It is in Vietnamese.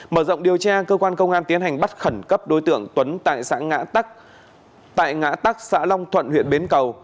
mở rộng điều tra cơ quan công an tiến hành bắt khẩn cấp đối tượng tuấn tại xã ngã tại ngã tắc xã long thuận huyện bến cầu